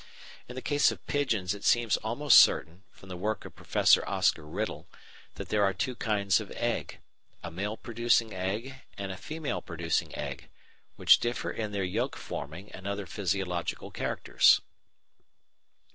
In the case of pigeons it seems almost certain, from the work of Professor Oscar Riddle, that there are two kinds of egg, a male producing egg and a female producing egg, which differ in their yolk forming and other physiological characters.